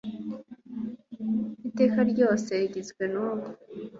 iteka ryose rigizwe n'ubu